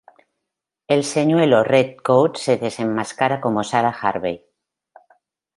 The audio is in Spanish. El señuelo Red Coat se desenmascara como Sara Harvey.